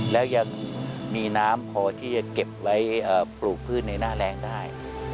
แล้วยังมีน้ำพอที่จะเก็บไว้ปลูกพืชในหน้าแรงได้